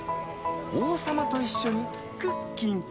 王様と一緒にクッキング！